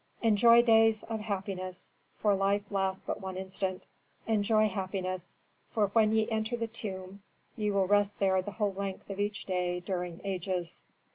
"Enjoy days of happiness, for life lasts but one instant. Enjoy happiness, for when ye enter the tomb ye will rest there the whole length of each day during ages."